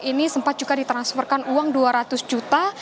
ini sempat juga ditransferkan uang dua ratus juta